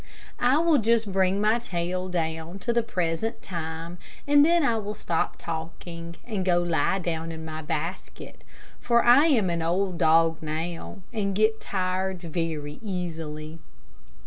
I will just bring my tale down to the present time, and then I will stop talking, and go lie down in my basket, for I am an old dog now, and get tired very easily.